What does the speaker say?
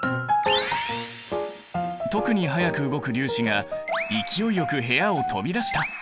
特に速く動く粒子が勢いよく部屋を飛び出した！